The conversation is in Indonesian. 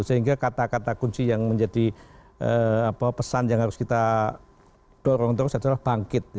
sehingga kata kata kunci yang menjadi pesan yang harus kita dorong terus adalah bangkit